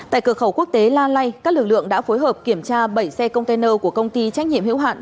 tại cửa khẩu quốc tế la lai các lực lượng đã phối hợp kiểm tra bảy xe container của công ty trách nhiệm hữu hạn